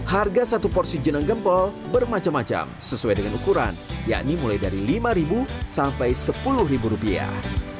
harga satu porsi jenang gempol bermacam macam sesuai dengan ukuran yakni mulai dari lima sampai sepuluh rupiah